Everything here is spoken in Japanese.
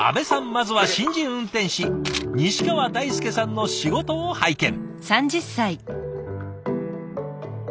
まずは新人運転士西川大輔さんの仕事を拝見。